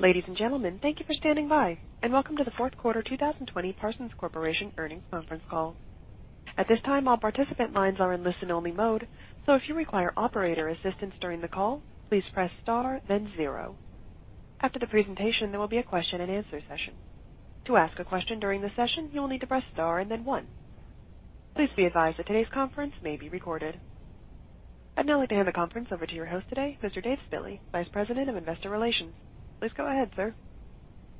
Ladies and gentlemen, thank you for standing by and welcome to the Fourth Quarter 2020 Parsons Corporation Earnings Conference Call. At this time all participants are on a listen only mode, if you require operator assistance during the call please press star then zero after the presentation there will be a question and answer session. To ask a question during the session you will need to press star then one, please be advised that this conference may be recorded. I'd now like to hand the conference over to your host today, Mr. David Spille, Vice President of Investor Relations. Please go ahead, sir.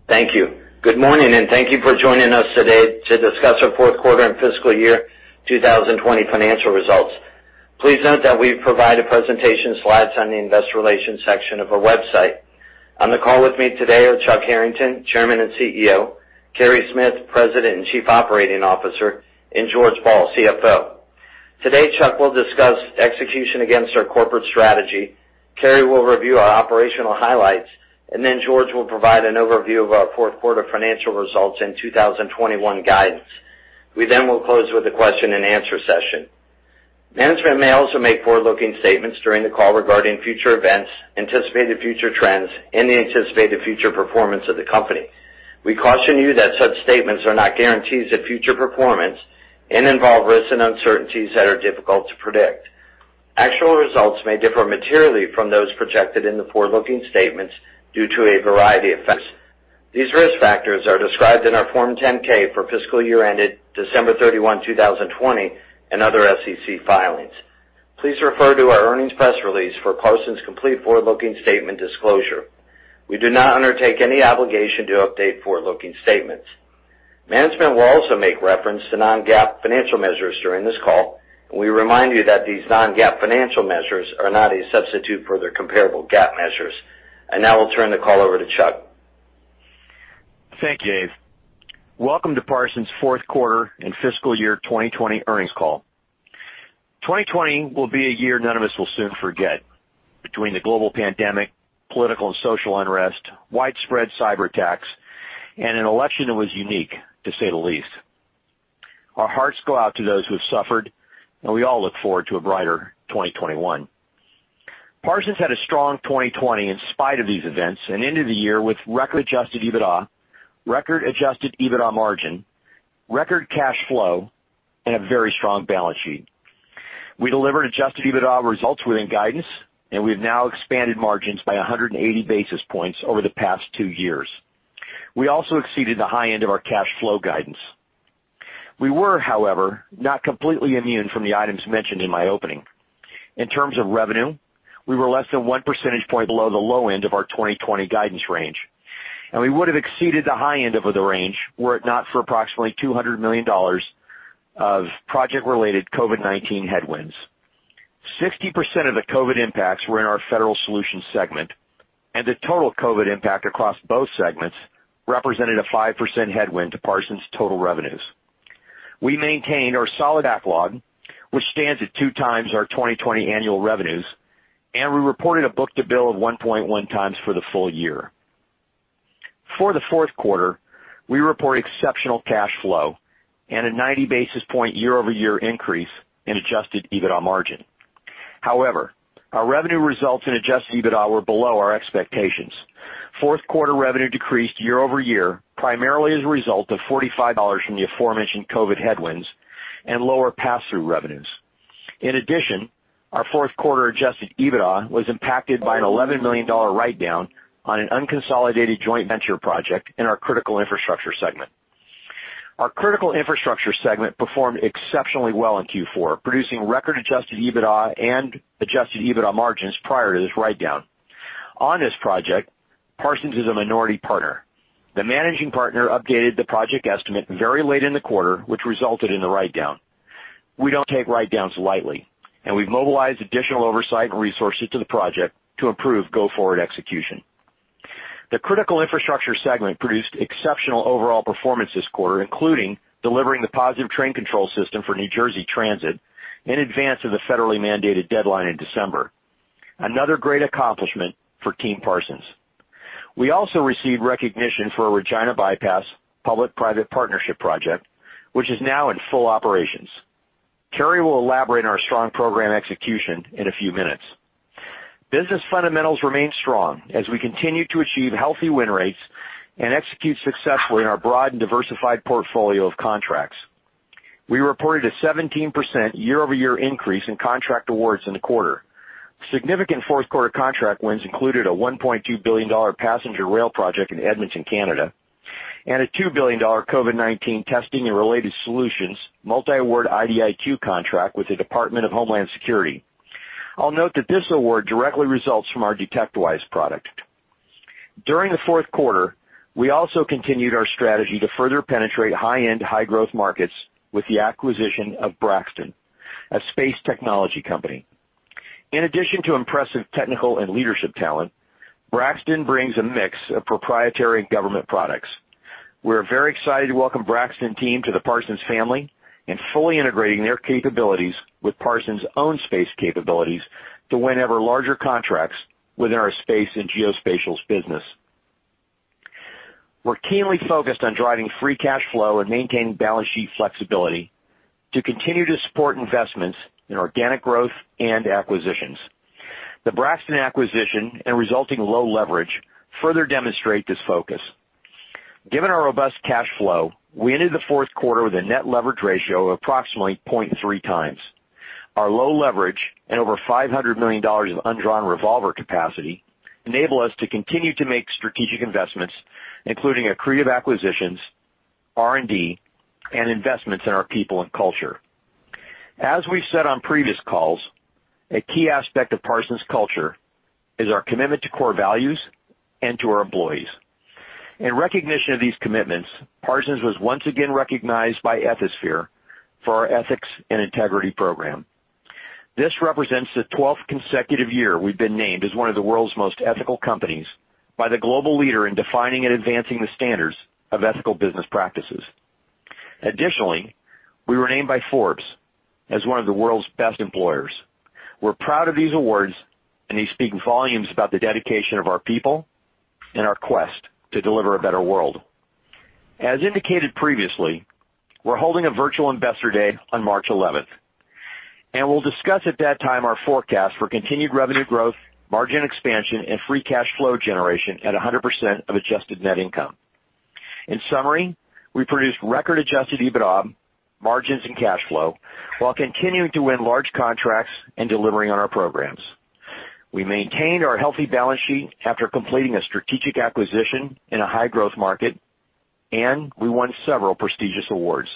Thank you. Good morning, and thank you for joining us today to discuss our fourth quarter and fiscal year 2020 financial results. Please note that we've provided presentation slides on the Investor Relations section of our website. On the call with me today are Chuck Harrington, Chairman and CEO, Carey Smith, President and Chief Operating Officer, and George Ball, CFO. Today, Chuck will discuss execution against our corporate strategy, Carey will review our operational highlights, and George will provide an overview of our fourth quarter financial results and 2021 guidance. We then will close with a question and answer session. Management may also make forward-looking statements during the call regarding future events, anticipated future trends, and the anticipated future performance of the company. We caution you that such statements are not guarantees of future performance and involve risks and uncertainties that are difficult to predict. Actual results may differ materially from those projected in the forward-looking statements due to a variety of effects. These risk factors are described in our Form 10-K for fiscal year ended December 31, 2020, and other SEC filings. Please refer to our earnings press release for Parsons' complete forward-looking statement disclosure. We do not undertake any obligation to update forward-looking statements. Management will also make reference to non-GAAP financial measures during this call, and we remind you that these non-GAAP financial measures are not a substitute for their comparable GAAP measures. Now I'll turn the call over to Chuck. Thank you, Dave. Welcome to Parsons' fourth quarter and fiscal year 2020 earnings call. 2020 will be a year none of us will soon forget, between the global pandemic, political and social unrest, widespread cyberattacks, and an election that was unique, to say the least. Our hearts go out to those who have suffered. We all look forward to a brighter 2021. Parsons had a strong 2020 in spite of these events and ended the year with record adjusted EBITDA, record adjusted EBITDA margin, record cash flow, and a very strong balance sheet. We delivered adjusted EBITDA results within guidance, and we've now expanded margins by 180 basis points over the past two years. We also exceeded the high end of our cash flow guidance. We were, however, not completely immune from the items mentioned in my opening. In terms of revenue, we were less than one percentage point below the low end of our 2020 guidance range, and we would have exceeded the high end of the range were it not for approximately $200 million of project-related COVID-19 headwinds. 60% of the COVID impacts were in our Federal Solutions segment, and the total COVID impact across both segments represented a 5% headwind to Parsons' total revenues. We maintained our solid backlog, which stands at two times our 2020 annual revenues, and we reported a book-to-bill of 1.1 times for the full year. For the fourth quarter, we report exceptional cash flow and a 90 basis point year-over-year increase in adjusted EBITDA margin. Our revenue results and adjusted EBITDA were below our expectations. Fourth quarter revenue decreased year-over-year, primarily as a result of $45 million from the aforementioned COVID headwinds and lower pass-through revenues. In addition, our fourth quarter adjusted EBITDA was impacted by an $11 million write-down on an unconsolidated joint venture project in our critical infrastructure segment. Our critical infrastructure segment performed exceptionally well in Q4, producing record adjusted EBITDA and adjusted EBITDA margins prior to this write-down. On this project, Parsons is a minority partner. The managing partner updated the project estimate very late in the quarter, which resulted in the write-down. We don't take write-downs lightly, and we've mobilized additional oversight and resources to the project to improve go-forward execution. The critical infrastructure segment produced exceptional overall performance this quarter, including delivering the positive train control system for New Jersey Transit in advance of the federally mandated deadline in December. Another great accomplishment for Team Parsons. We also received recognition for our Regina Bypass Public-Private Partnership project, which is now in full operations. Carey will elaborate on our strong program execution in a few minutes. Business fundamentals remain strong as we continue to achieve healthy win rates and execute successfully in our broad and diversified portfolio of contracts. We reported a 17% year-over-year increase in contract awards in the quarter. Significant fourth quarter contract wins included a $1.2 billion passenger rail project in Edmonton, Canada, and a $2 billion COVID-19 testing and related solutions multi-award IDIQ contract with the Department of Homeland Security. I'll note that this award directly results from our DetectWise product. During the fourth quarter, we also continued our strategy to further penetrate high-end, high-growth markets with the acquisition of Braxton, a space technology company. In addition to impressive technical and leadership talent, Braxton brings a mix of proprietary government products. We're very excited to welcome Braxton team to the Parsons family and fully integrating their capabilities with Parsons' own space capabilities to win ever larger contracts within our space and geospatials business. We're keenly focused on driving free cash flow and maintaining balance sheet flexibility to continue to support investments in organic growth and acquisitions. The Braxton acquisition and resulting low leverage further demonstrate this focus. Given our robust cash flow, we ended the fourth quarter with a net leverage ratio of approximately 0.3x. Our low leverage and over $500 million of undrawn revolver capacity enable us to continue to make strategic investments, including accretive acquisitions, R&D, and investments in our people and culture. As we've said on previous calls, a key aspect of Parsons culture is our commitment to core values and to our employees. In recognition of these commitments, Parsons was once again recognized by Ethisphere for our ethics and integrity program. This represents the 12th consecutive year we've been named as one of the world's most ethical companies by the global leader in defining and advancing the standards of ethical business practices. Additionally, we were named by Forbes as one of the world's best employers. We're proud of these awards, and they speak volumes about the dedication of our people and our quest to deliver a better world. As indicated previously, we're holding a virtual Investor Day on March 11th, and we'll discuss at that time our forecast for continued revenue growth, margin expansion, and free cash flow generation at 100% of adjusted net income. In summary, we produced record adjusted EBITDA margins and cash flow while continuing to win large contracts and delivering on our programs. We maintained our healthy balance sheet after completing a strategic acquisition in a high-growth market, and we won several prestigious awards.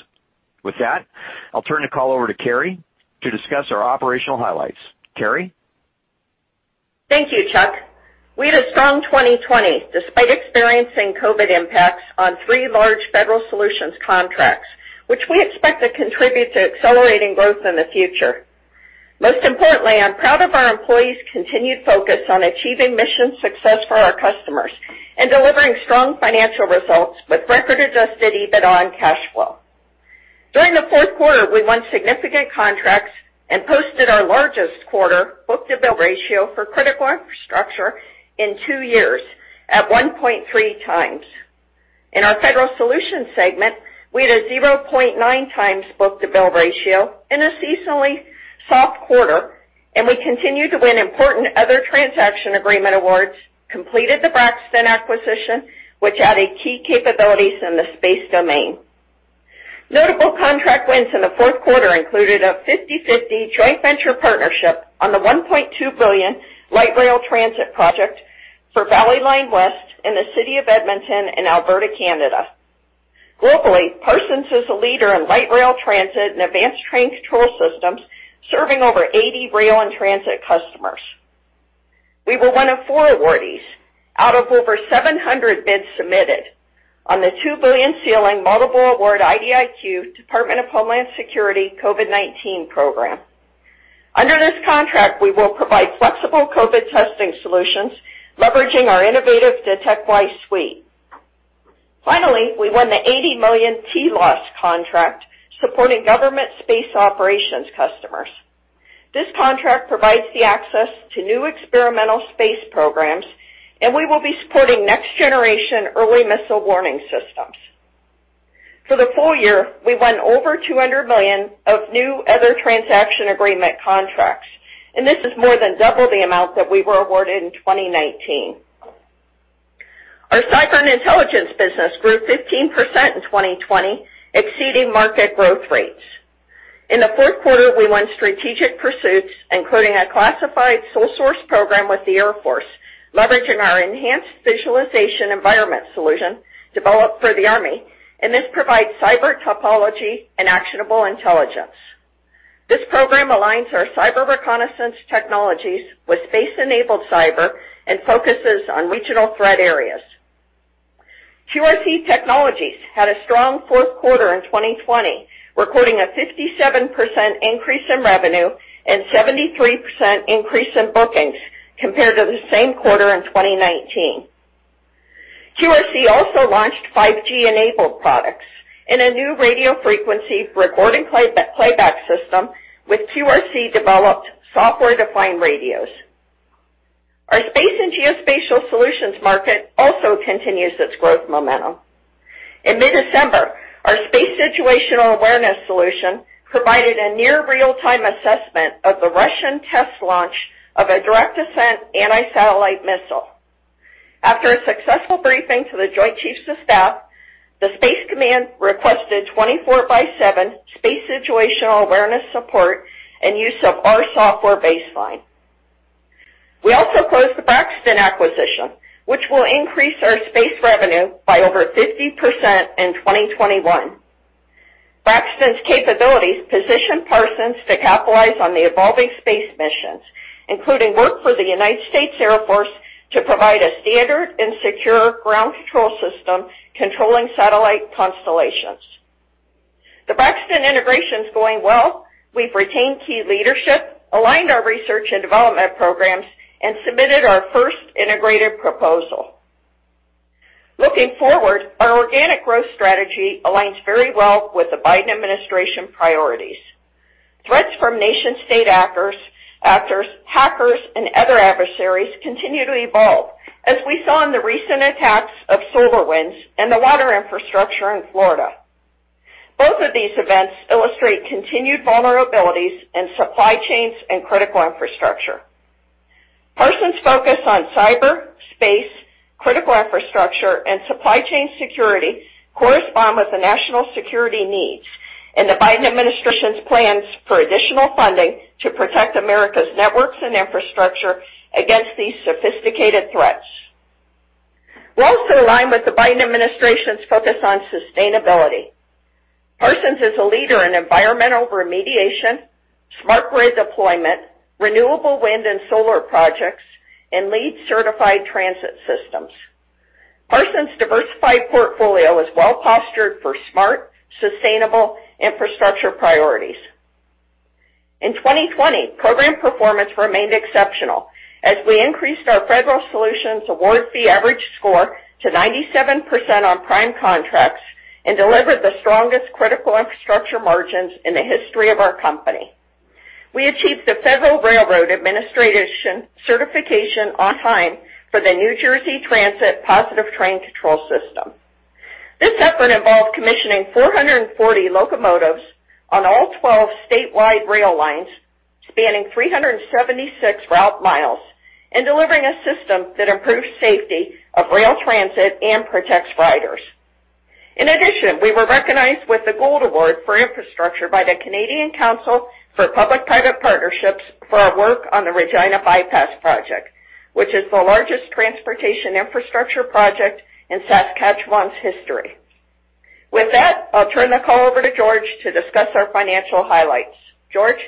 With that, I'll turn the call over to Carey to discuss our operational highlights. Carey? Thank you, Chuck. We had a strong 2020 despite experiencing COVID impacts on three large Federal Solutions contracts, which we expect to contribute to accelerating growth in the future. Most importantly, I'm proud of our employees' continued focus on achieving mission success for our customers and delivering strong financial results with record adjusted EBITDA and cash flow. During the fourth quarter, we won significant contracts and posted our largest quarter book-to-bill ratio for critical infrastructure in two years at 1.3x. In our Federal Solutions segment, we had a 0.9x book-to-bill ratio in a seasonally soft quarter, and we continued to win important Other Transaction Agreement awards, completed the Braxton acquisition, which added key capabilities in the space domain. Notable contract wins in the fourth quarter included a 50/50 joint venture partnership on the $1.2 billion light rail transit project for Valley Line West in the city of Edmonton in Alberta, Canada. Globally, Parsons is a leader in light rail transit and advanced train control systems, serving over 80 rail and transit customers. We were one of four awardees out of over 700 bids submitted on the $2 billion ceiling multiple award IDIQ Department of Homeland Security COVID-19 program. Under this contract, we will provide flexible COVID testing solutions, leveraging our innovative DetectWise suite. Finally, we won the $80 million Telos contract supporting government space operations customers. This contract provides the access to new experimental space programs, and we will be supporting next generation early missile warning systems. For the full year, we won over $200 million of new Other Transaction Agreement contracts. This is more than double the amount that we were awarded in 2019. Our cyber and intelligence business grew 15% in 2020, exceeding market growth rates. In the fourth quarter, we won strategic pursuits, including a classified sole source program with the Air Force, leveraging our Enhanced Network Visualization Environment solution developed for the Army. This provides cyber topology and actionable intelligence. This program aligns our cyber reconnaissance technologies with space-enabled cyber and focuses on regional threat areas. QRC Technologies had a strong fourth quarter in 2020, recording a 57% increase in revenue and 73% increase in bookings compared to the same quarter in 2019. QRC also launched 5G-enabled products in a new radio frequency record and playback system with QRC-developed software-defined radios. Our space and geospatial solutions market also continues its growth momentum. In mid-December, our space situational awareness solution provided a near real-time assessment of the Russian test launch of a direct ascent anti-satellite missile. After a successful briefing to the Joint Chiefs of Staff, the Space Command requested 24 by seven space situational awareness support and use of our software baseline. We also closed the Braxton acquisition, which will increase our space revenue by over 50% in 2021. Braxton's capabilities position Parsons to capitalize on the evolving space missions, including work for the United States Air Force to provide a standard and secure ground control system controlling satellite constellations. The Braxton integration is going well. We've retained key leadership, aligned our research and development programs, and submitted our first integrated proposal. Looking forward, our organic growth strategy aligns very well with the Biden administration priorities. Threats from nation state actors, hackers, and other adversaries continue to evolve, as we saw in the recent attacks of SolarWinds and the water infrastructure in Florida. Both of these events illustrate continued vulnerabilities in supply chains and critical infrastructure. Parsons' focus on cyber, space, critical infrastructure, and supply chain security correspond with the national security needs and the Biden administration's plans for additional funding to protect America's networks and infrastructure against these sophisticated threats. We're also aligned with the Biden administration's focus on sustainability. Parsons is a leader in environmental remediation, smart grid deployment, renewable wind and solar projects, and LEED certified transit systems. Parsons' diversified portfolio is well-postured for smart, sustainable infrastructure priorities. In 2020, program performance remained exceptional as we increased our Federal Solutions award fee average score to 97% on prime contracts and delivered the strongest critical infrastructure margins in the history of our company. We achieved the Federal Railroad Administration certification on time for the New Jersey Transit Positive Train Control system. This effort involved commissioning 440 locomotives on all 12 statewide rail lines, spanning 376 route miles, and delivering a system that improves safety of rail transit and protects riders. In addition, we were recognized with the Gold Award for infrastructure by the Canadian Council for Public-Private Partnerships for our work on the Regina Bypass project, which is the largest transportation infrastructure project in Saskatchewan's history. With that, I'll turn the call over to George to discuss our financial highlights. George?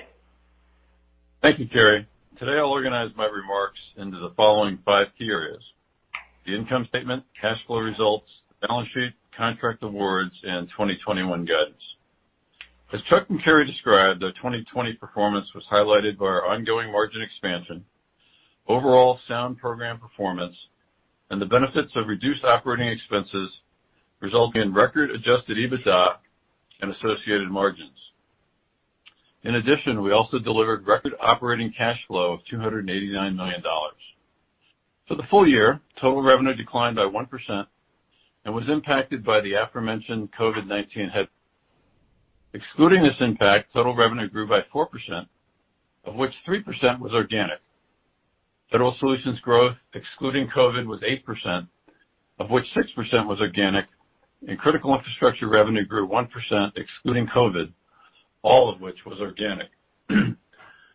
Thank you, Carey. Today, I'll organize my remarks into the following five key areas: the income statement, cash flow results, the balance sheet, contract awards, and 2021 guidance. As Chuck and Carey described, our 2020 performance was highlighted by our ongoing margin expansion, overall sound program performance, and the benefits of reduced operating expenses, resulting in record adjusted EBITDA and associated margins. In addition, we also delivered record operating cash flow of $289 million. For the full year, total revenue declined by 1% and was impacted by the aforementioned COVID-19 head. Excluding this impact, total revenue grew by 4%, of which 3% was organic. Federal Solutions growth, excluding COVID, was 8%, of which 6% was organic, and critical infrastructure revenue grew 1%, excluding COVID, all of which was organic.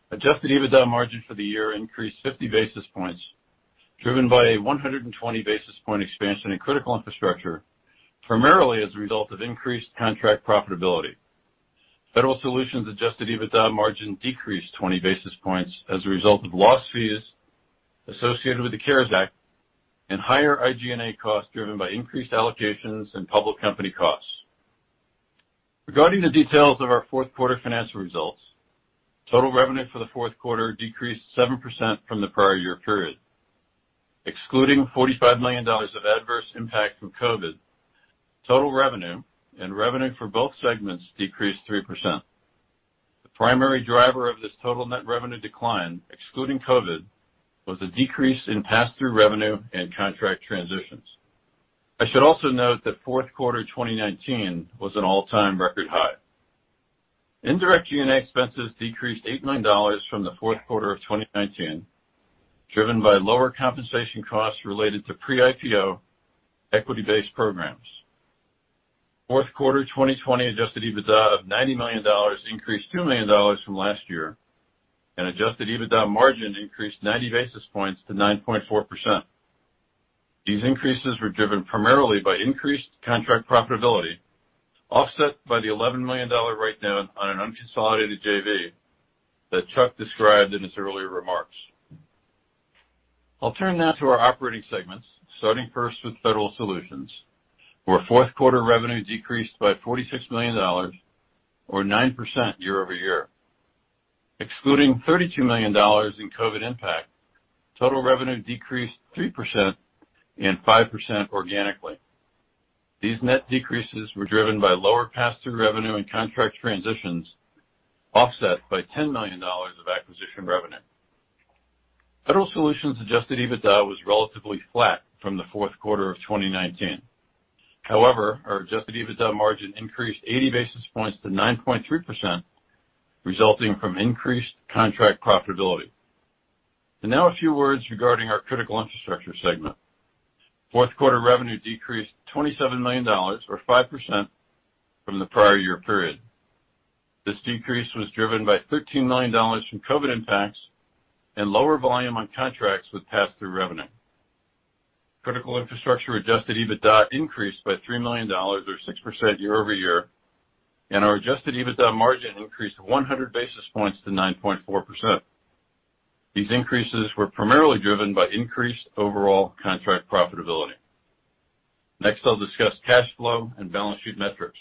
Adjusted EBITDA margin for the year increased 50 basis points, driven by a 120 basis point expansion in critical infrastructure, primarily as a result of increased contract profitability. Federal Solutions adjusted EBITDA margin decreased 20 basis points as a result of loss fees associated with the CARES Act and higher SG&A costs driven by increased allocations and public company costs. Regarding the details of our fourth quarter financial results, total revenue for the fourth quarter decreased 7% from the prior year period. Excluding $45 million of adverse impact from COVID, total revenue and revenue for both segments decreased 3%. The primary driver of this total net revenue decline, excluding COVID, was a decrease in pass-through revenue and contract transitions. I should also note that fourth quarter 2019 was an all-time record high. Indirect G&A expenses decreased $8 million from the fourth quarter of 2019, driven by lower compensation costs related to pre-IPO equity-based programs. Fourth quarter 2020 adjusted EBITDA of $90 million increased $2 million from last year, and adjusted EBITDA margin increased 90 basis points to 9.4%. These increases were driven primarily by increased contract profitability, offset by the $11 million write-down on an unconsolidated JV that Chuck described in his earlier remarks. I'll turn now to our operating segments, starting first with Federal Solutions, where fourth quarter revenue decreased by $46 million or 9% year-over-year. Excluding $32 million in COVID impact, total revenue decreased 3% and 5% organically. These net decreases were driven by lower pass-through revenue and contract transitions, offset by $10 million of acquisition revenue. Federal Solutions adjusted EBITDA was relatively flat from the fourth quarter of 2019. However, our adjusted EBITDA margin increased 80 basis points to 9.3%, resulting from increased contract profitability. Now a few words regarding our Critical Infrastructure segment. Fourth quarter revenue decreased $27 million or 5% from the prior year period. This decrease was driven by $13 million from COVID impacts and lower volume on contracts with pass-through revenue. Critical Infrastructure adjusted EBITDA increased by $3 million or 6% year-over-year, and our adjusted EBITDA margin increased 100 basis points to 9.4%. These increases were primarily driven by increased overall contract profitability. Next, I'll discuss cash flow and balance sheet metrics.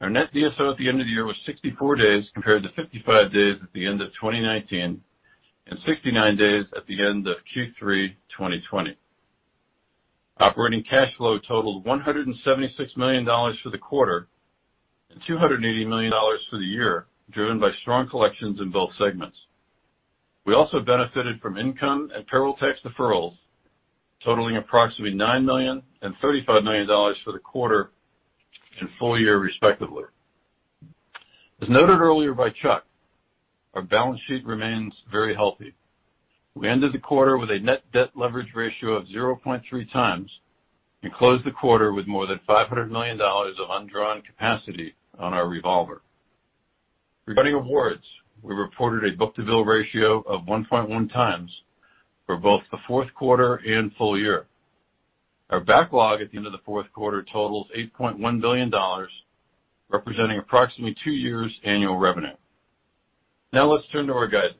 Our net DSO at the end of the year was 64 days compared to 55 days at the end of 2019 and 69 days at the end of Q3 2020. Operating cash flow totaled $176 million for the quarter, and $280 million for the year, driven by strong collections in both segments. We also benefited from income and payroll tax deferrals totaling approximately $9 million and $35 million for the quarter and full year, respectively. As noted earlier by Chuck, our balance sheet remains very healthy. We ended the quarter with a net debt leverage ratio of 0.3 times and closed the quarter with more than $500 million of undrawn capacity on our revolver. Regarding awards, we reported a book-to-bill ratio of 1.1 times for both the fourth quarter and full year. Our backlog at the end of the fourth quarter totals $8.1 billion, representing approximately two years' annual revenue. Let's turn to our guidance.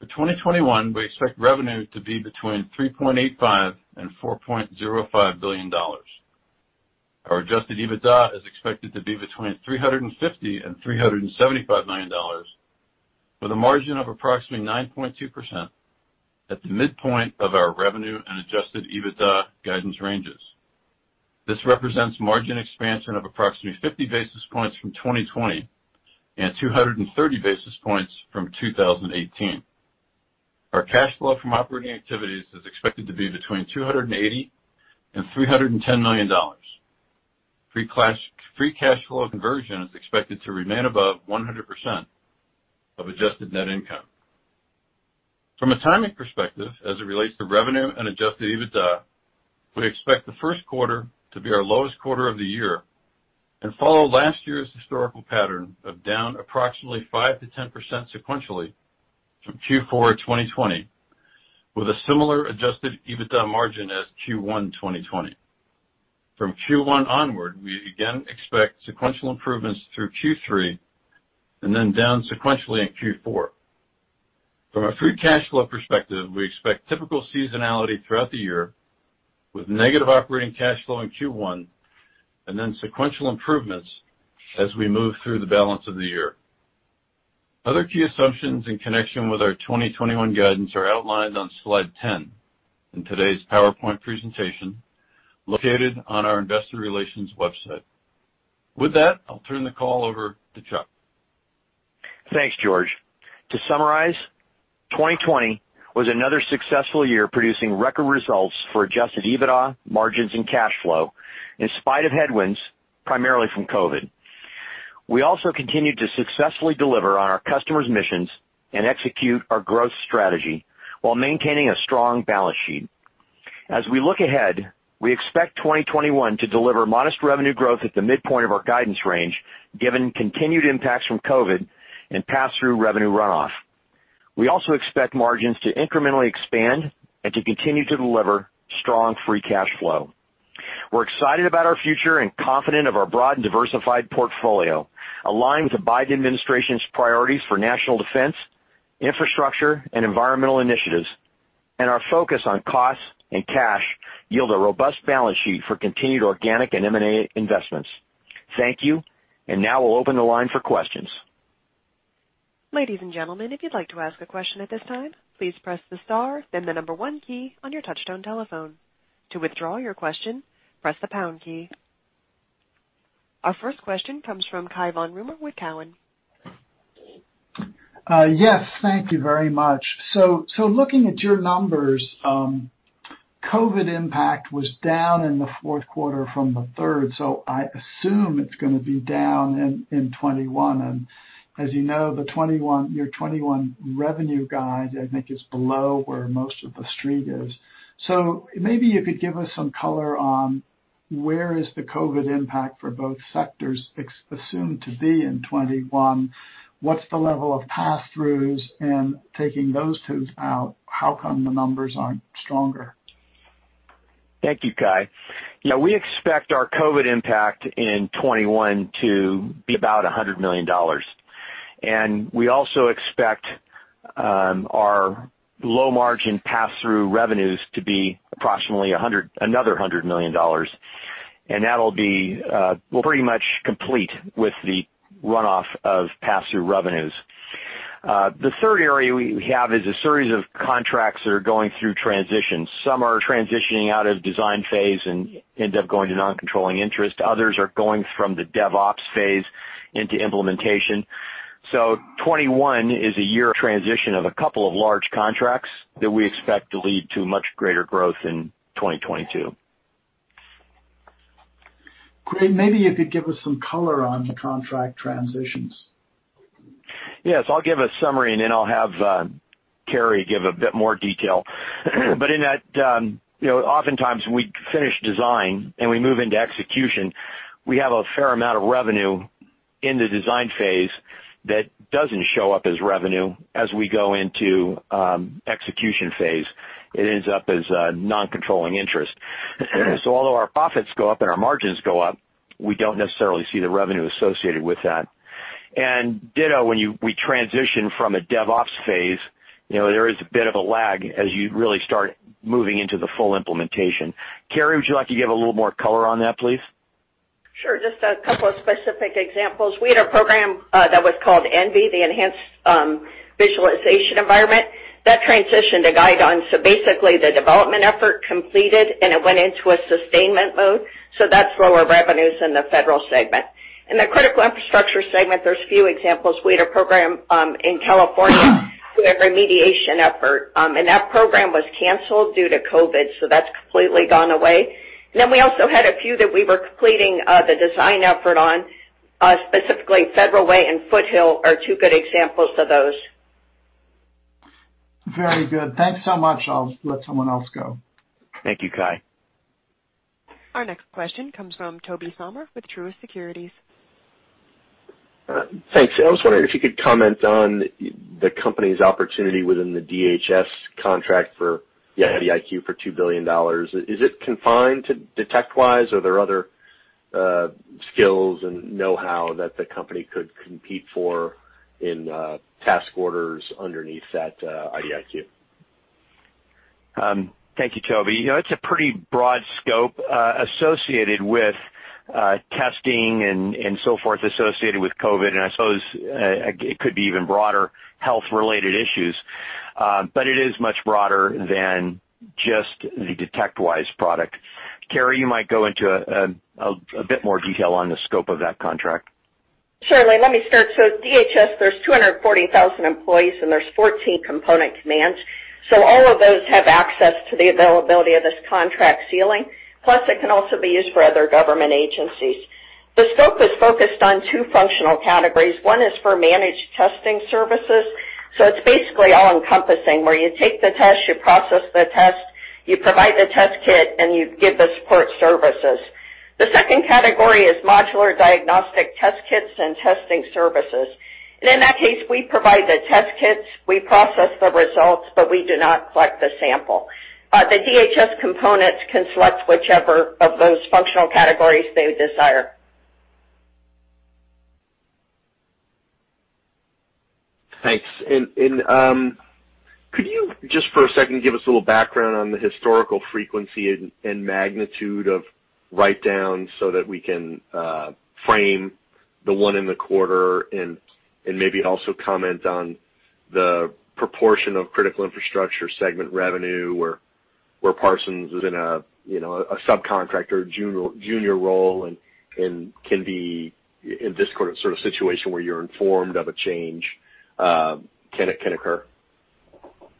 For 2021, we expect revenue to be between $3.85 and $4.05 billion. Our adjusted EBITDA is expected to be between $350 and $375 million, with a margin of approximately 9.2% at the midpoint of our revenue and adjusted EBITDA guidance ranges. This represents margin expansion of approximately 50 basis points from 2020 and 230 basis points from 2018. Our cash flow from operating activities is expected to be between $280 and $310 million. Free cash flow conversion is expected to remain above 100% of adjusted net income. From a timing perspective, as it relates to revenue and adjusted EBITDA, we expect the first quarter to be our lowest quarter of the year and follow last year's historical pattern of down approximately 5%-10% sequentially from Q4 2020, with a similar adjusted EBITDA margin as Q1 2020. From Q1 onward, we again expect sequential improvements through Q3 and then down sequentially in Q4. From a free cash flow perspective, we expect typical seasonality throughout the year, with negative operating cash flow in Q1 and then sequential improvements as we move through the balance of the year. Other key assumptions in connection with our 2021 guidance are outlined on slide 10 in today's PowerPoint presentation, located on our Investor Relations website. With that, I'll turn the call over to Chuck. Thanks, George. To summarize, 2020 was another successful year producing record results for adjusted EBITDA, margins, and cash flow, in spite of headwinds, primarily from COVID. We also continued to successfully deliver on our customers' missions and execute our growth strategy while maintaining a strong balance sheet. As we look ahead, we expect 2021 to deliver modest revenue growth at the midpoint of our guidance range, given continued impacts from COVID and pass-through revenue runoff. We also expect margins to incrementally expand and to continue to deliver strong free cash flow. We're excited about our future and confident of our broad and diversified portfolio, aligned with the Biden administration's priorities for national defense, infrastructure, and environmental initiatives, and our focus on costs and cash yield a robust balance sheet for continued organic and M&A investments. Thank you. Now we'll open the line for questions. Ladies and gentlemen if you would like to ask a question at this time please press star then number one key on your touchtone telephone, to withdraw your question, press the pound key. Our first question comes from Cai von Rumohr with Cowen. Yes, thank you very much. Looking at your numbers, COVID impact was down in the fourth quarter from the third, so I assume it's gonna be down in 2021. As you know, your 2021 revenue guide, I think, is below where most of the street is. Maybe if you could give us some color on where is the COVID impact for both sectors assumed to be in 2021. What's the level of pass-throughs, and taking those twos out, how come the numbers aren't stronger? Thank you, Cai. Yeah, we expect our COVID impact in 2021 to be about $100 million. We also expect our low-margin pass-through revenues to be approximately another $100 million. We're pretty much complete with the runoff of pass-through revenues. The third area we have is a series of contracts that are going through transition. Some are transitioning out of design phase and end up going to non-controlling interest. Others are going from the DevOps phase into implementation. 2021 is a year of transition of a couple of large contracts that we expect to lead to much greater growth in 2022. Great. Maybe if you'd give us some color on the contract transitions. I'll give a summary, and then I'll have Carey give a bit more detail. In that, oftentimes we finish design, and we move into execution. We have a fair amount of revenue in the design phase that doesn't show up as revenue as we go into execution phase. It ends up as a non-controlling interest. Although our profits go up and our margins go up, we don't necessarily see the revenue associated with that. Ditto, when we transition from a DevOps phase, there is a bit of a lag as you really start moving into the full implementation. Carey, would you like to give a little more color on that, please? Sure. Just a couple of specific examples. We had a program that was called ENVE, the Enhanced Network Visualization Environment, that transitioned to Guidon. The development effort completed, and it went into a sustainment mode. That's lower revenues in the Federal segment. In the critical infrastructure segment, there's few examples. We had a program in California, we had remediation effort, and that program was canceled due to COVID, that's completely gone away. We also had a few that we were completing the design effort on, specifically Federal Way and Foothill are two good examples of those. Very good. Thanks so much. I'll let someone else go. Thank you, Cai. Our next question comes from Tobey Sommer with Truist Securities. Thanks. I was wondering if you could comment on the company's opportunity within the DHS contract for the IDIQ for $2 billion. Is it confined to DetectWise, or are there other skills and knowhow that the company could compete for in task orders underneath that IDIQ? Thank you, Tobey. It's a pretty broad scope associated with testing and so forth associated with COVID. I suppose it could be even broader health-related issues. It is much broader than just the DetectWise product. Carey, you might go into a bit more detail on the scope of that contract. Surely. Let me start. At DHS, there's 240,000 employees, and there's 14 component commands. All of those have access to the availability of this contract ceiling, plus it can also be used for other government agencies. The scope is focused on two functional categories. One is for managed testing services. It's basically all encompassing, where you take the test, you process the test, you provide the test kit, and you give the support services. The second category is modular diagnostic test kits and testing services. In that case, we provide the test kits, we process the results, but we do not collect the sample. The DHS components can select whichever of those functional categories they desire. Thanks. Could you, just for a second, give us a little background on the historical frequency and magnitude of write-downs so that we can frame the one in the quarter and maybe also comment on the proportion of critical infrastructure segment revenue, where Parsons is in a subcontractor junior role and can be in this sort of situation where you're informed of a change can occur?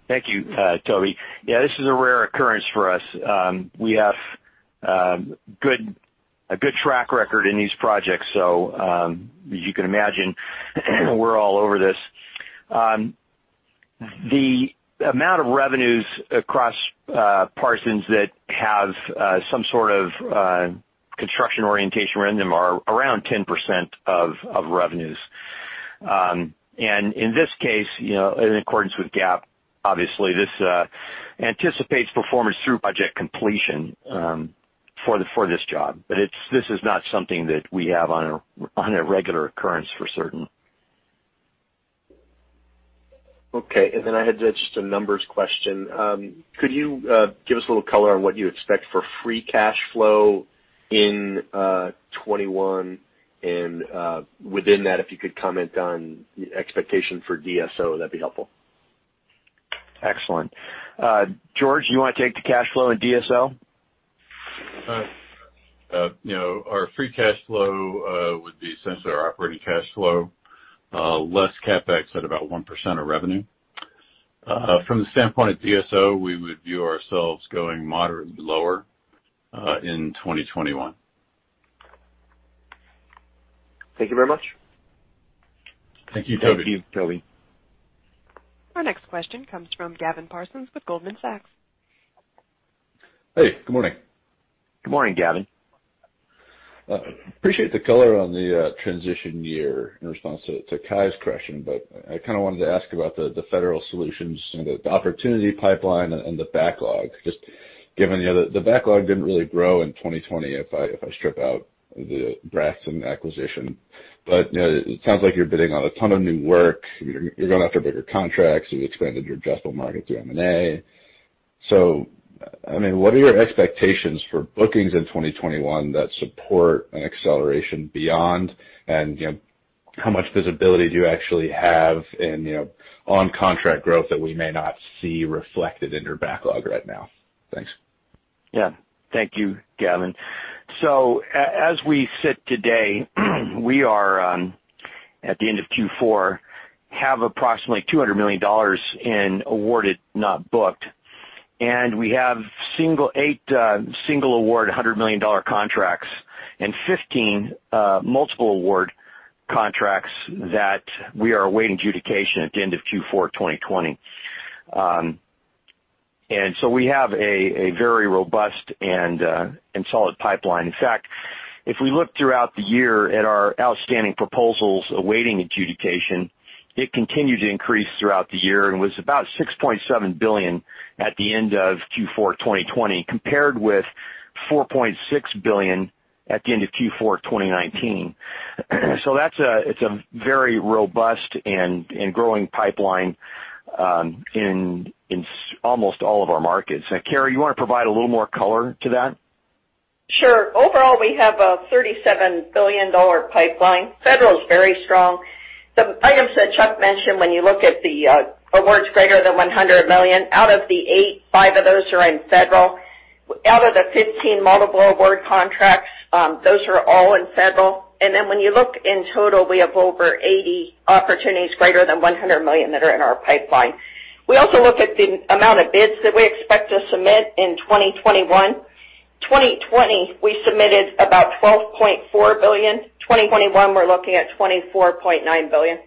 Thank you, Tobey. Yeah, this is a rare occurrence for us. We have a good track record in these projects, so as you can imagine, we're all over this. The amount of revenues across Parsons that have some sort of construction orientation around them are around 10% of revenues. In this case, in accordance with GAAP, obviously, this anticipates performance through project completion for this job. This is not something that we have on a regular occurrence for certain. Okay. I had just a numbers question. Could you give us a little color on what you expect for free cash flow in 2021? Within that, if you could comment on expectation for DSO, that would be helpful. Excellent. George, you want to take the cash flow and DSO? Our free cash flow would be essentially our operating cash flow, less CapEx at about 1% of revenue. From the standpoint of DSO, we would view ourselves going moderately lower in 2021. Thank you very much. Thank you, Tobey. Our next question comes from Gavin Parsons with Goldman Sachs. Hey, good morning. Good morning, Gavin. Appreciate the color on the transition year in response to Cai's question. I kind of wanted to ask about the Federal Solutions and the opportunity pipeline and the backlog, just given the backlog didn't really grow in 2020 if I strip out the Braxton acquisition. It sounds like you're bidding on a ton of new work. You're going after bigger contracts. You've expanded your addressable market through M&A. What are your expectations for bookings in 2021 that support an acceleration beyond? How much visibility do you actually have in on-contract growth that we may not see reflected in your backlog right now? Thanks. Thank you, Gavin. As we sit today, we are at the end of Q4, have approximately $200 million in awarded, not booked. We have eight single award, $100 million contracts and 15 multiple award contracts that we are awaiting adjudication at the end of Q4 2020. We have a very robust and solid pipeline. In fact, if we look throughout the year at our outstanding proposals awaiting adjudication, it continued to increase throughout the year and was about $6.7 billion at the end of Q4 2020, compared with $4.6 billion at the end of Q4 2019. That's a very robust and growing pipeline in almost all of our markets. Carey, you want to provide a little more color to that? Sure. Overall, we have a $37 billion pipeline. Federal is very strong. The items that Chuck mentioned, when you look at the awards greater than $100 million, out of the eight, five of those are in Federal. Out of the 15 multiple award contracts, those are all in Federal. And then when you look in total, we have over 80 opportunities greater than $100 million that are in our pipeline. We also look at the amount of bids that we expect to submit in 2021. 2020, we submitted about $12.4 billion. 2021, we're looking at $24.9 billion.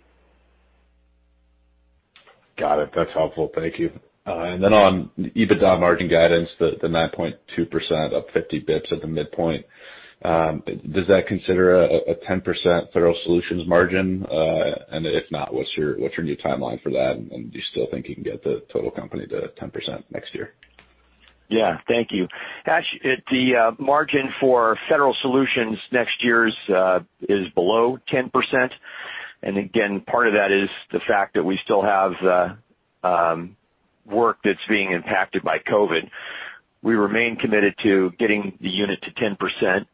Got it. That's helpful. Thank you. On EBITDA margin guidance, the 9.2% up 50 basis points at the midpoint, does that consider a 10% Federal Solutions margin? If not, what's your new timeline for that? Do you still think you can get the total company to 10% next year? Yeah. Thank you. Actually, the margin for Federal Solutions next year is below 10%. Again, part of that is the fact that we still have work that's being impacted by COVID. We remain committed to getting the unit to 10%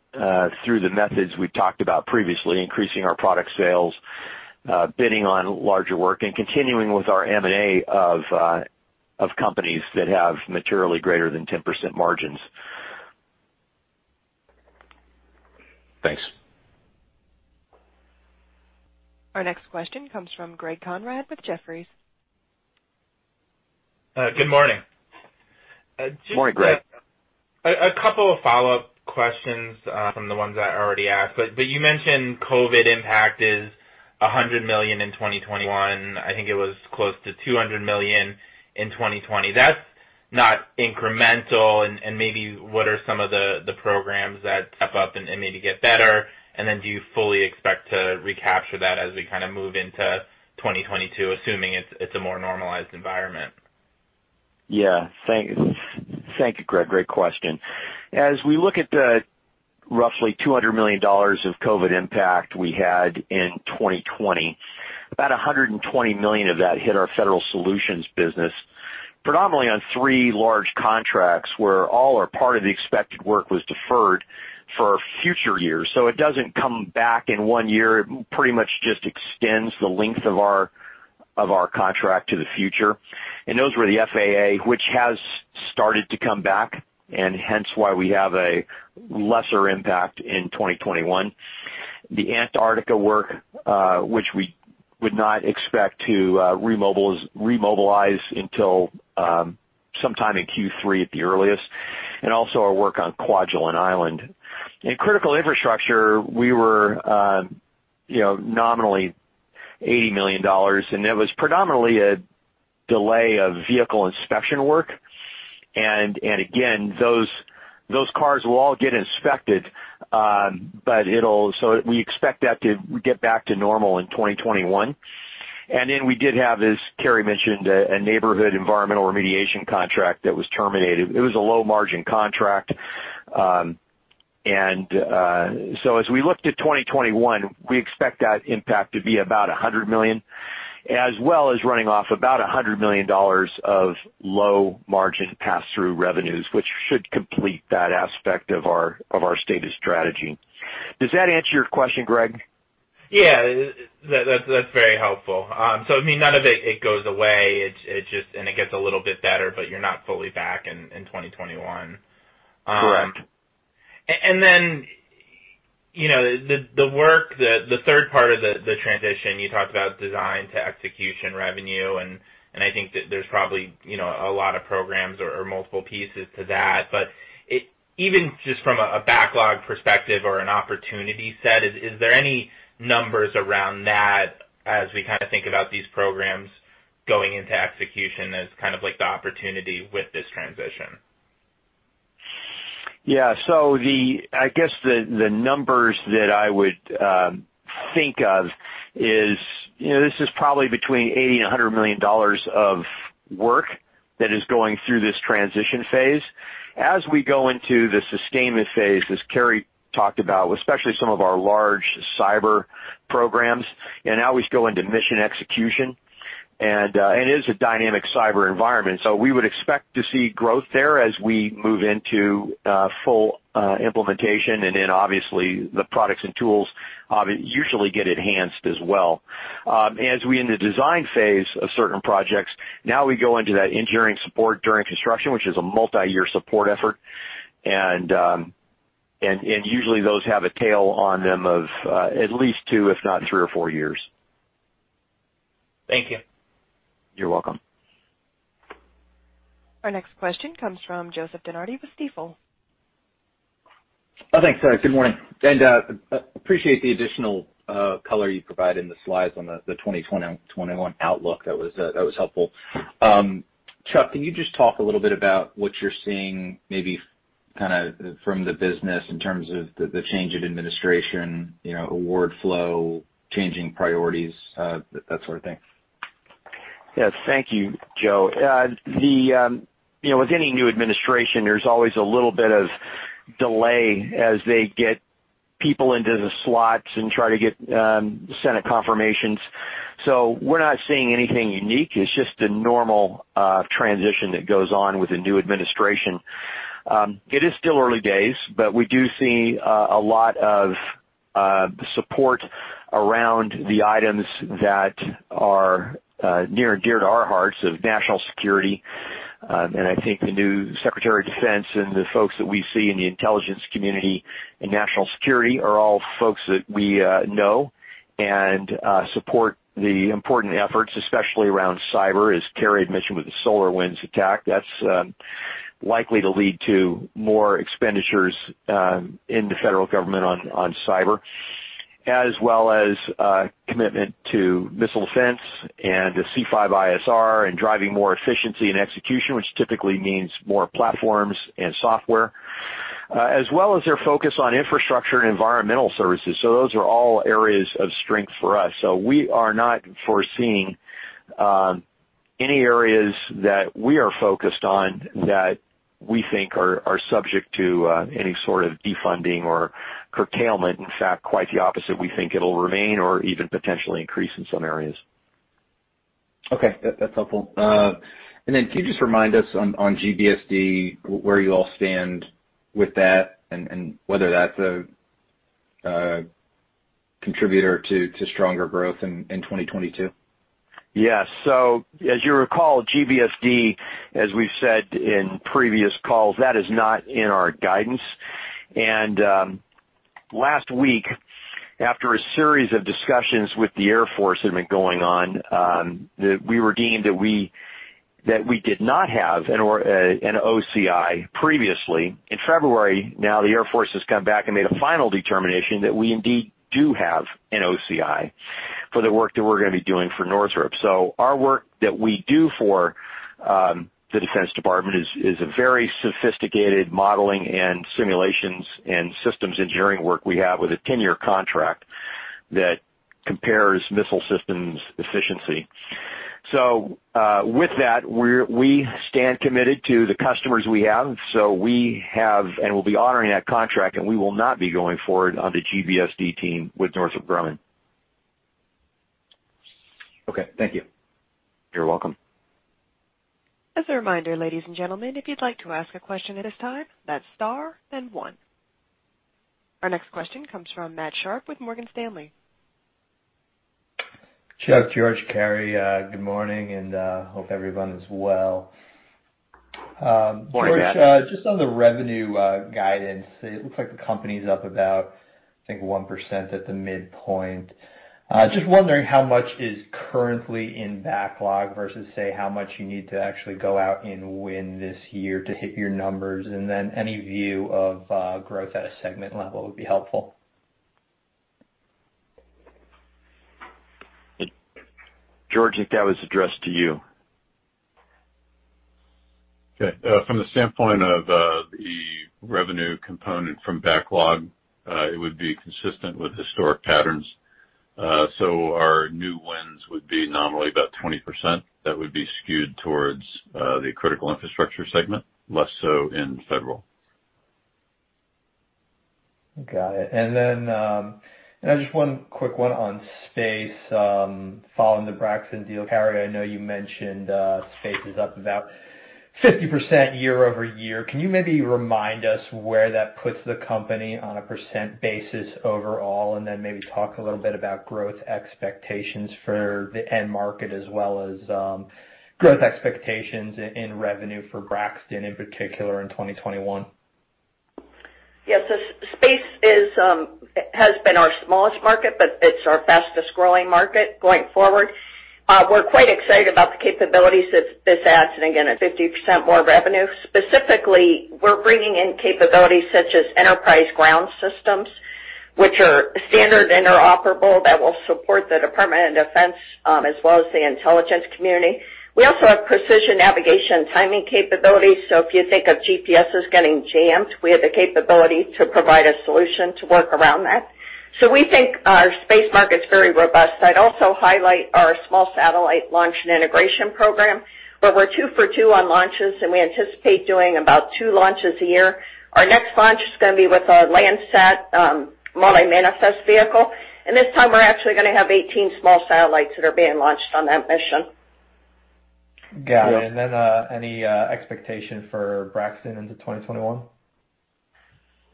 through the methods we've talked about previously, increasing our product sales, bidding on larger work, and continuing with our M&A of companies that have materially greater than 10% margins. Thanks. Our next question comes from Greg Konrad with Jefferies. Good morning. Morning, Greg. A couple of follow-up questions from the ones I already asked. You mentioned COVID impact is $100 million in 2021. I think it was close to $200 million in 2020. That's not incremental. Maybe what are some of the programs that step up and maybe get better? Do you fully expect to recapture that as we kind of move into 2022, assuming it's a more normalized environment? Thank you, Greg. Great question. As we look at the roughly $200 million of COVID impact we had in 2020, about $120 million of that hit our Federal Solutions business, predominantly on three large contracts where all or part of the expected work was deferred for future years. It doesn't come back in one year. It pretty much just extends the length of our contract to the future. Those were the FAA, which has started to come back, and hence why we have a lesser impact in 2021. The Antarctica work, which we would not expect to remobilize until sometime in Q3 at the earliest, and also our work on Kwajalein Island. In critical infrastructure, we were nominally $80 million, and it was predominantly a delay of vehicle inspection work. Again, those cars will all get inspected, so we expect that to get back to normal in 2021. Then we did have, as Carey mentioned, a neighborhood environmental remediation contract that was terminated. It was a low-margin contract. As we looked at 2021, we expect that impact to be about $100 million, as well as writing off about $100 million of low-margin pass-through revenues, which should complete that aspect of our stated strategy. Does that answer your question, Greg? Yeah. That's very helpful. I mean, none of it goes away. It gets a little bit better, but you're not fully back in 2021. Correct. The work, the third part of the transition, you talked about design to execution revenue, and I think that there's probably a lot of programs or multiple pieces to that. Even just from a backlog perspective or an opportunity set, is there any numbers around that as we kind of think about these programs going into execution as kind of like the opportunity with this transition? Yeah. I guess the numbers that I would think of is probably between $80 million and $100 million of work that is going through this transition phase. As we go into the sustainment phase, as Carey talked about, especially some of our large cyber programs, and now we go into mission execution, and it is a dynamic cyber environment. We would expect to see growth there as we move into full implementation. Then obviously, the products and tools usually get enhanced as well. As we end the design phase of certain projects, now we go into that engineering support during construction, which is a multi-year support effort. Usually those have a tail on them of at least two, if not three or four years. Thank you. You're welcome. Our next question comes from Joseph DeNardi with Stifel. Thanks. Good morning. Appreciate the additional color you provided in the slides on the 2021 outlook. That was helpful. Chuck, can you just talk a little bit about what you're seeing maybe kind of from the business in terms of the change in administration, award flow, changing priorities, that sort of thing? Yes. Thank you, Joe. With any new administration, there's always a little bit of delay as they get people into the slots and try to get Senate confirmations. We're not seeing anything unique. It's just a normal transition that goes on with a new administration. It is still early days, we do see a lot of support around the items that are near and dear to our hearts, of national security. I think the new Secretary of Defense and the folks that we see in the intelligence community and national security are all folks that we know and support the important efforts, especially around cyber, as Carey mentioned, with the SolarWinds attack. That's likely to lead to more expenditures in the federal government on cyber, as well as commitment to missile defense and the C5ISR, and driving more efficiency and execution, which typically means more platforms and software. As well as their focus on infrastructure and environmental services. Those are all areas of strength for us. We are not foreseeing any areas that we are focused on that we think are subject to any sort of defunding or curtailment. In fact, quite the opposite. We think it'll remain or even potentially increase in some areas. Okay. That's helpful. Can you just remind us on GBSD, where you all stand with that, and whether that's a contributor to stronger growth in 2022? Yes. As you recall, GBSD, as we've said in previous calls, that is not in our guidance. Last week, after a series of discussions with the Air Force that have been going on, that we were deemed that we did not have an OCI previously. In February, now the Air Force has come back and made a final determination that we indeed do have an OCI for the work that we're going to be doing for Northrop. Our work that we do for the Department of Defense is a very sophisticated modeling and simulations and systems engineering work we have with a 10-year contract that compares missile systems efficiency. With that, we stand committed to the customers we have. We have, and will be honoring that contract, and we will not be going forward on the GBSD team with Northrop Grumman. Okay. Thank you. You're welcome. As a reminder, ladies and gentlemen, if you'd like to ask a question at this time, that's star then one. Our next question comes from Matthew Sharpe with Morgan Stanley. Joe, George, Carey, good morning, and hope everyone is well. Morning, Matt. George, just on the revenue guidance, it looks like the company's up about, I think 1% at the midpoint. Just wondering how much is currently in backlog versus, say, how much you need to actually go out and win this year to hit your numbers. Then any view of growth at a segment level would be helpful. George, I think that was addressed to you. Okay. From the standpoint of the revenue component from backlog, it would be consistent with historic patterns. Our new wins would be nominally about 20%. That would be skewed towards the critical infrastructure segment, less so in federal. Got it. Just one quick one on space, following the Braxton deal. Carey, I know you mentioned space is up about 50% year-over-year. Can you maybe remind us where that puts the company on a % basis overall, and then maybe talk a little bit about growth expectations for the end market as well as growth expectations in revenue for Braxton, in particular in 2021? Yes. Space has been our smallest market, but it's our fastest-growing market going forward. We're quite excited about the capabilities that this adds, and again, at 50% more revenue. Specifically, we're bringing in capabilities such as enterprise ground systems, which are standard interoperable that will support the Department of Defense, as well as the intelligence community. We also have precision navigation timing capabilities. If you think of GPS as getting jammed, we have the capability to provide a solution to work around that. We think our space market's very robust. I'd also highlight our small satellite launch and integration program, where we're two for two on launches, and we anticipate doing about two launches a year. Our next launch is going to be with a Landsat multi-manifest vehicle. This time we're actually going to have 18 small satellites that are being launched on that mission. Got it. Any expectation for Braxton into 2021?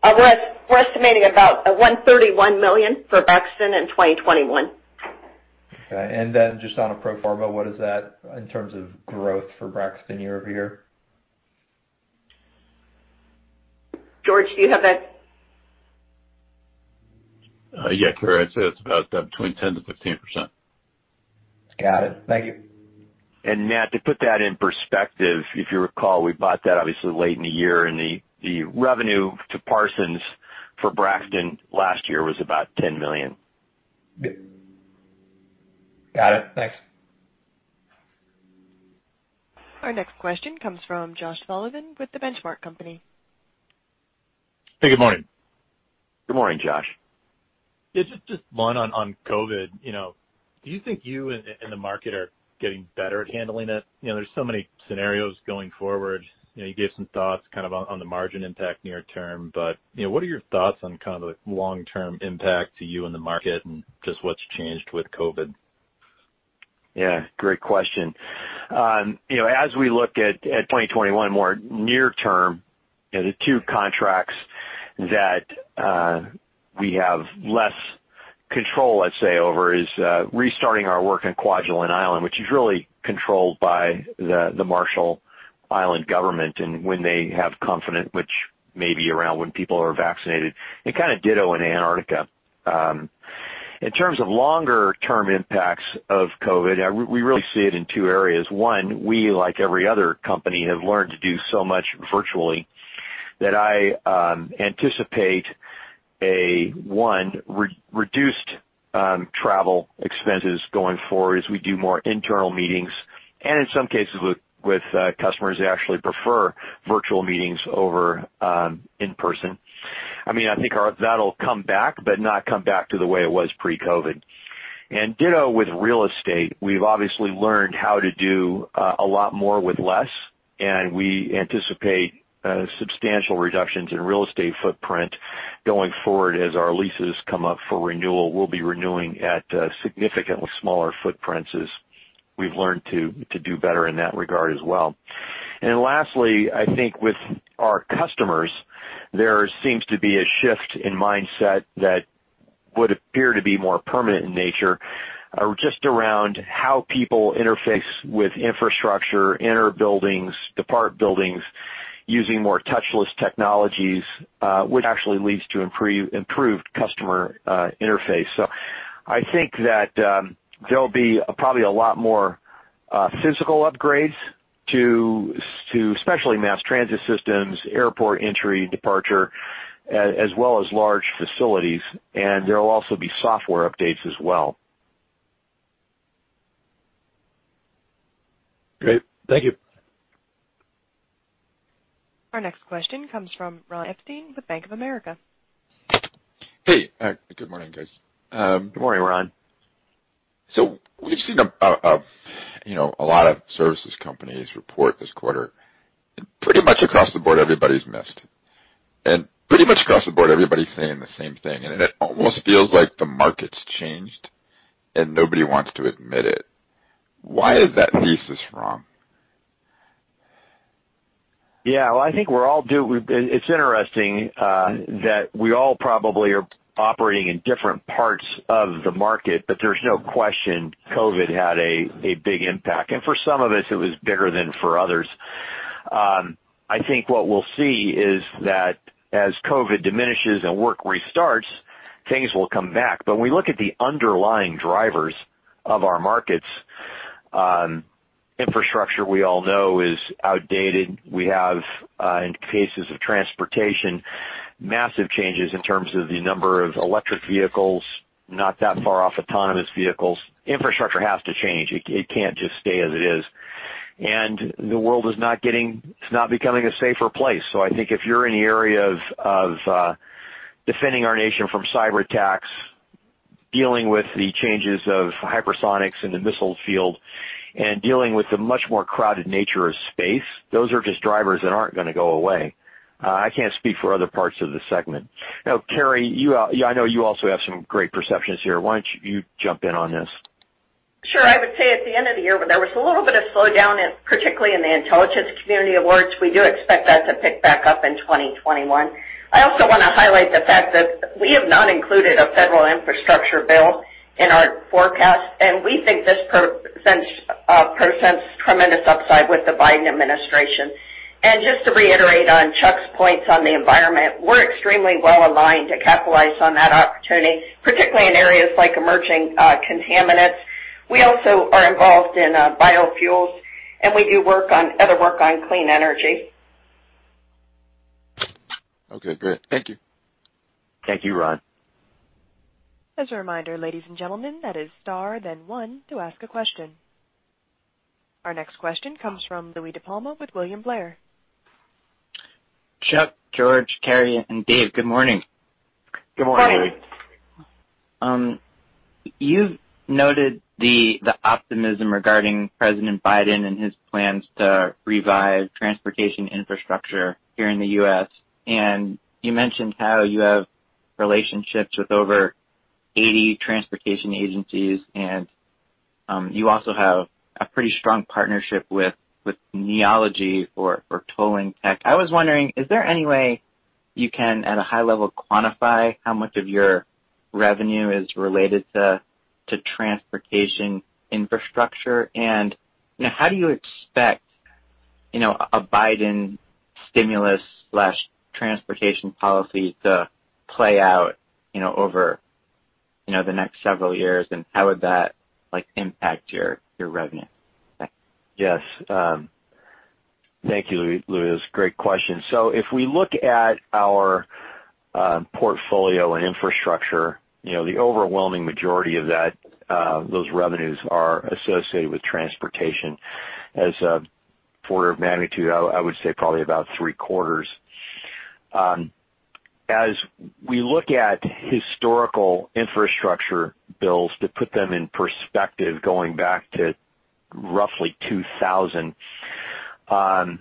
We're estimating about $131 million for Braxton in 2021. Okay. Then just on a pro forma, what is that in terms of growth for Braxton year-over-year? George, do you have that? Yeah, Carey, I'd say it's about between 10%-15%. Got it. Thank you. Matt, to put that in perspective, if you recall, we bought that obviously late in the year, the revenue to Parsons for Braxton last year was about $10 million. Got it. Thanks. Our next question comes from Josh Sullivan with The Benchmark Company. Hey, good morning. Good morning, Josh. Just one on COVID. Do you think you and the market are getting better at handling it? There is so many scenarios going forward. You gave some thoughts on the margin impact near term, but what are your thoughts on the long-term impact to you and the market, and just what has changed with COVID? Yeah, great question. As we look at 2021 more near term, the two contracts that we have less control, let's say, over is restarting our work in Kwajalein Island, which is really controlled by the Marshall Islands government. When they have confidence, which may be around when people are vaccinated, and kind of ditto in Antarctica. In terms of longer-term impacts of COVID, we really see it in two areas. One, I, like every other company, have learned to do so much virtually that I anticipate one, reduced travel expenses going forward as we do more internal meetings, and in some cases with customers they actually prefer virtual meetings over in-person. I think that'll come back, but not come back to the way it was pre-COVID. Ditto with real estate. We've obviously learned how to do a lot more with less, and we anticipate substantial reductions in real estate footprint going forward. As our leases come up for renewal, we'll be renewing at significantly smaller footprints as we've learned to do better in that regard as well. Lastly, I think with our customers, there seems to be a shift in mindset that would appear to be more permanent in nature, just around how people interface with infrastructure, enter buildings, depart buildings, using more touchless technologies, which actually leads to improved customer interface. I think that there'll be probably a lot more physical upgrades to especially mass transit systems, airport entry, departure, as well as large facilities, and there will also be software updates as well. Great. Thank you. Our next question comes from Ronald Epstein with Bank of America. Hey. Good morning, guys. Good morning, Ron. We've seen a lot of services companies report this quarter, and pretty much across the board, everybody's missed. Pretty much across the board, everybody's saying the same thing, and it almost feels like the market's changed and nobody wants to admit it. Why is that thesis wrong? Yeah. Well, it's interesting that we all probably are operating in different parts of the market, but there's no question COVID had a big impact, and for some of us, it was bigger than for others. I think what we'll see is that as COVID diminishes and work restarts, things will come back. When we look at the underlying drivers of our markets, infrastructure we all know is outdated. We have in cases of transportation, massive changes in terms of the number of electric vehicles, not that far off autonomous vehicles. Infrastructure has to change. It can't just stay as it is. The world is not becoming a safer place. I think if you're in the area of defending our nation from cyberattacks, dealing with the changes of hypersonics in the missile field and dealing with the much more crowded nature of space, those are just drivers that aren't going to go away. I can't speak for other parts of the segment. Carey, I know you also have some great perceptions here. Why don't you jump in on this? Sure. I would say at the end of the year when there was a little bit of slowdown, particularly in the intelligence community awards, we do expect that to pick back up in 2021. I also want to highlight the fact that we have not included a federal infrastructure bill in our forecast, and we think this presents tremendous upside with the Biden administration. Just to reiterate on Chuck's points on the environment, we're extremely well-aligned to capitalize on that opportunity, particularly in areas like emerging contaminants. We also are involved in biofuels, and we do other work on clean energy. Okay, great. Thank you. Thank you, Ron. As a reminder, ladies and gentlemen, that is star then one to ask a question. Our next question comes from Louie DiPalma with William Blair. Chuck, George, Carey, and Dave, good morning. Good morning, Louie. You've noted the optimism regarding President Biden and his plans to revive transportation infrastructure here in the U.S. You mentioned how you have relationships with over 80 transportation agencies. You also have a pretty strong partnership with Neology for tolling tech. I was wondering, is there any way you can, at a high level, quantify how much of your revenue is related to transportation infrastructure? How do you expect a Biden stimulus/transportation policy to play out over the next several years, and how would that impact your revenue? Thanks. Yes. Thank you, Louie. Great question. If we look at our portfolio and infrastructure, the overwhelming majority of those revenues are associated with transportation as an order of magnitude, I would say probably about three-quarters. As we look at historical infrastructure bills to put them in perspective, going back to roughly 2000, the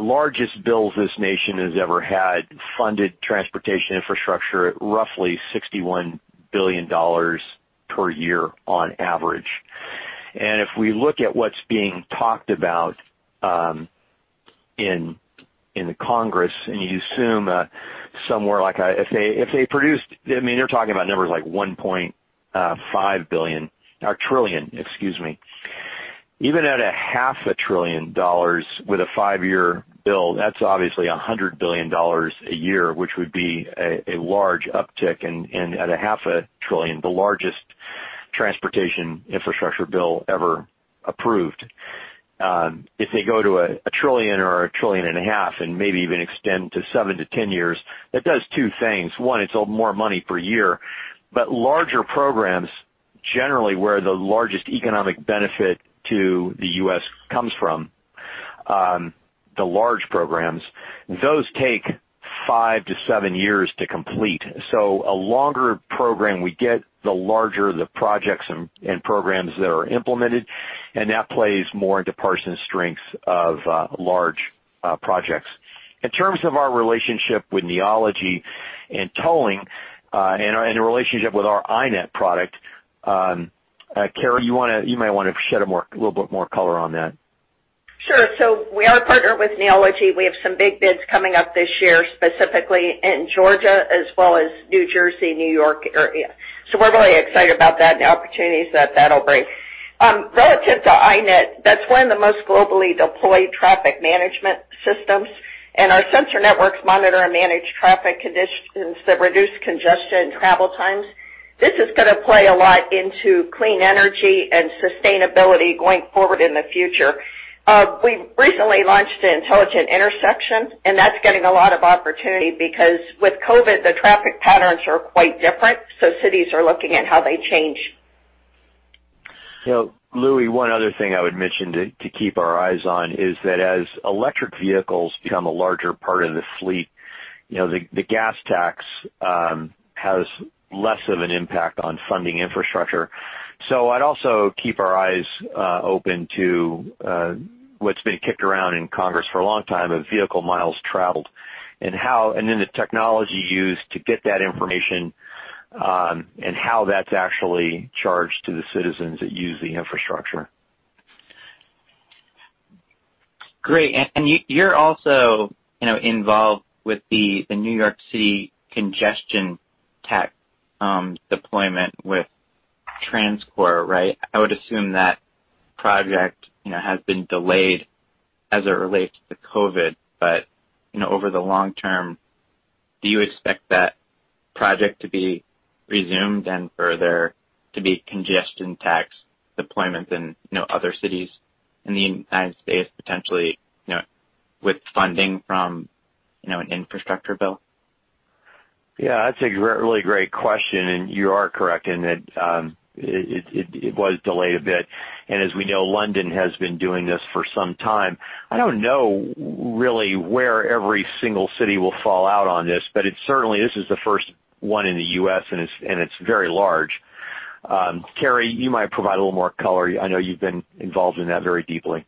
largest bills this nation has ever had funded transportation infrastructure at roughly $61 billion per year on average. If we look at what's being talked about in the Congress, and you assume somewhere like if they produced-- they're talking about numbers like $1.5 billion. Trillion, excuse me. Even at a half a trillion dollars with a five-year bill, that's obviously $100 billion a year, which would be a large uptick and at a half a trillion, the largest transportation infrastructure bill ever approved. If they go to $1 trillion or $1.5 trillion and maybe even extend to 7-10 years, that does two things. One, it's a little more money per year, but larger programs, generally, where the largest economic benefit to the U.S. comes from, the large programs, those take five to seven years to complete. So a longer program we get, the larger the projects and programs that are implemented, and that plays more into Parsons' strength of large projects. In terms of our relationship with Neology and tolling, and in relationship with our iNET product, Carey, you might want to shed a little bit more color on that. Sure. We are partnered with Neology. We have some big bids coming up this year, specifically in Georgia as well as New Jersey, New York area. We're really excited about that and the opportunities that that'll bring. Relative to iNET, that's one of the most globally deployed traffic management systems, and our sensor networks monitor and manage traffic conditions that reduce congestion and travel times. This is going to play a lot into clean energy and sustainability going forward in the future. We've recently launched Intelligent Intersections, and that's getting a lot of opportunity because with COVID, the traffic patterns are quite different, so cities are looking at how they change. Louie, one other thing I would mention to keep our eyes on is that as electric vehicles become a larger part of the fleet, the gas tax has less of an impact on funding infrastructure. I'd also keep our eyes open to what's been kicked around in Congress for a long time of vehicle miles traveled and then the technology used to get that information, and how that's actually charged to the citizens that use the infrastructure. Great. You're also involved with the New York City congestion tech deployment with TransCore, right? I would assume that project has been delayed as it relates to the COVID, but over the long term, do you expect that project to be resumed and further to be congestion tax deployment in other cities in the United States, potentially, with funding from an infrastructure bill? Yeah, that's a really great question. You are correct in that it was delayed a bit. As we know, London has been doing this for some time. I don't know really where every single city will fall out on this, but certainly, this is the first one in the U.S., and it's very large. Carey, you might provide a little more color. I know you've been involved in that very deeply.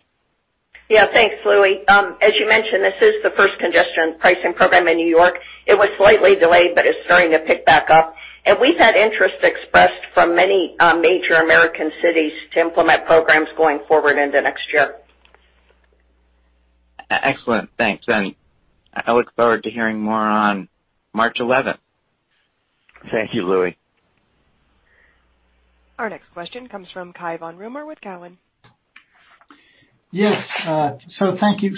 Yeah. Thanks, Louie. As you mentioned, this is the first congestion pricing program in New York. It was slightly delayed, but it's starting to pick back up. We've had interest expressed from many major American cities to implement programs going forward into next year. Excellent. Thanks. I look forward to hearing more on March 11th. Thank you, Louie. Our next question comes from Cai von Rumohr with Cowen. Yes. Thank you.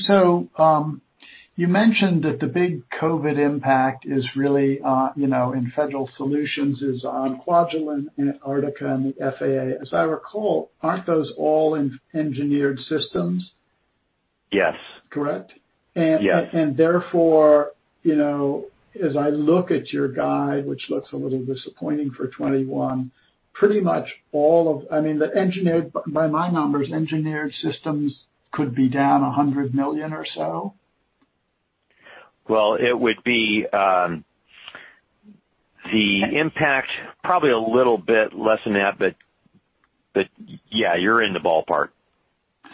You mentioned that the big COVID impact is really in Federal Solutions on Kwajalein and Antarctica and the FAA. As I recall, aren't those all Engineered Systems? Yes. Correct? Yes. Therefore, as I look at your guide, which looks a little disappointing for 2021, by my numbers, Engineered Systems could be down $100 million or so? Well, it would be the impact probably a little bit less than that, but yeah, you're in the ballpark.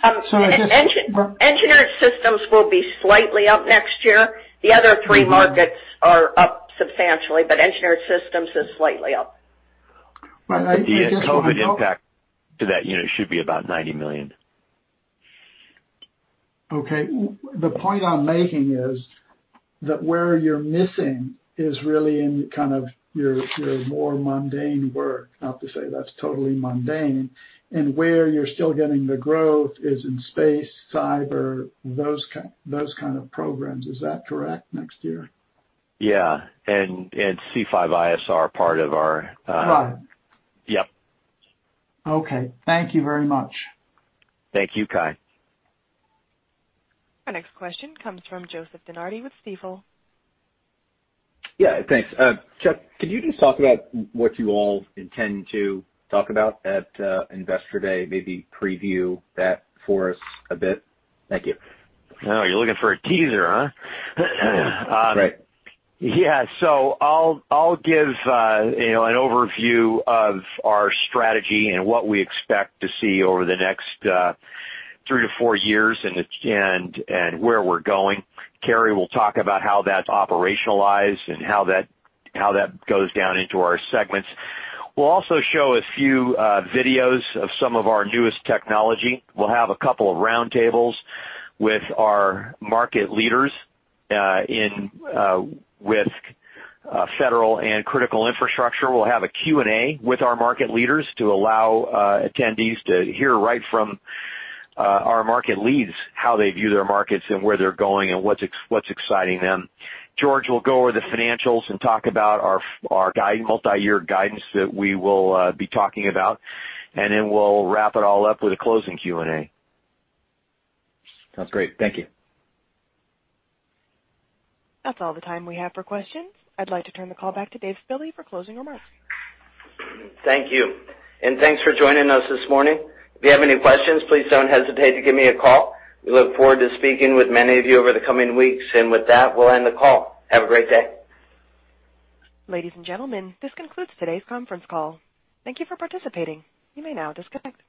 Engineered Systems will be slightly up next year. The other three markets are up substantially, but Engineered Systems is slightly up. The COVID impact to that unit should be about $90 million. Okay. The point I'm making is that where you're missing is really in kind of your more mundane work. Not to say that's totally mundane, and where you're still getting the growth is in space, cyber, those kind of programs. Is that correct, next year? Yeah. C5ISR. Right. Yep. Okay. Thank you very much. Thank you, Cai. Our next question comes from Joseph DeNardi with Stifel. Yeah. Thanks. Chuck, could you just talk about what you all intend to talk about at Investor Day? Maybe preview that for us a bit. Thank you. Oh, you're looking for a teaser, huh? Right. Yeah. I'll give an overview of our strategy and what we expect to see over the next three to four years and where we're going. Carey will talk about how that's operationalized and how that goes down into our segments. We'll also show a few videos of some of our newest technology. We'll have a couple of roundtables with our market leaders with federal and critical infrastructure. We'll have a Q&A with our market leaders to allow attendees to hear right from our market leads, how they view their markets and where they're going and what's exciting them. George will go over the financials and talk about our multi-year guidance that we will be talking about, and then we'll wrap it all up with a closing Q&A. Sounds great. Thank you. That's all the time we have for questions. I'd like to turn the call back to David Spille for closing remarks. Thank you. Thanks for joining us this morning. If you have any questions, please don't hesitate to give me a call. We look forward to speaking with many of you over the coming weeks. With that, we'll end the call. Have a great day. Ladies and gentlemen, this concludes today's conference call. Thank you for participating. You may now disconnect.